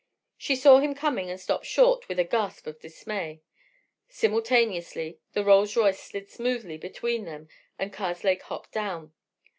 She saw him coming and stopped short with a gasp of dismay. Simultaneously the Rolls Royce slid smoothly in between them and Karslake hopped down.